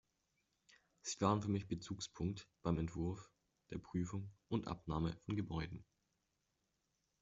Sie waren für mich Bezugspunkt beim Entwurf, der Prüfung und Abnahme von Gebäuden.